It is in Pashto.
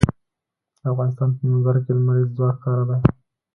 د افغانستان په منظره کې لمریز ځواک ښکاره ده.